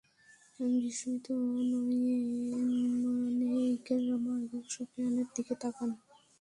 বিস্মিত নয়নে ইকরামা এবং সফওয়ানের দিকে তাকান।